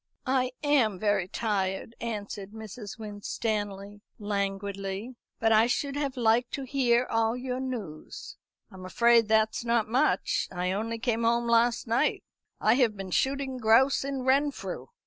"I am very tired," answered Mrs. Winstanley languidly; "but I should have liked to hear all your news." "I'm afraid that's not much. I only came home last night; I have been shooting grouse in Renfrew."